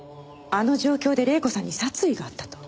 あの状況で黎子さんに殺意があったと？